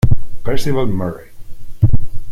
Percival Murray